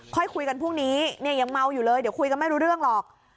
ค่อยคุยกันพรุ่งนี้เนี่ยยังเมาอยู่เลยเดี๋ยวคุยกันไม่รู้เรื่องหรอก